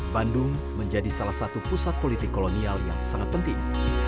bandung menjadi salah satu pusat politik kolonial yang sangat penting